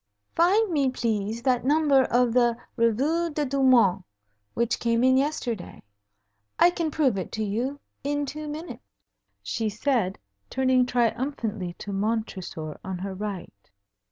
"Find me, please, that number of the Revue des Deux Mondes which came in yesterday. I can prove it to you in two minutes," she said, turning triumphantly to Montresor on her right.